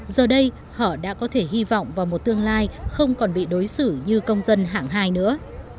giờ đây họ đã có thể hy vọng vào một tương lai không còn bị đối xử như công dân hạng hai nữa